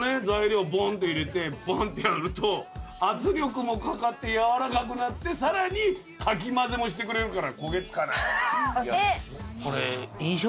材料をボンッて入れてバンッてやると圧力もかかってやわらかくなってさらにかきまぜもしてくれるから焦げ付かない。